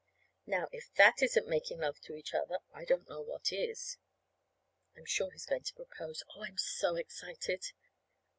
Now, if that isn't making love to each other, I don't know what is. I'm sure he's going to propose. Oh, I'm so excited!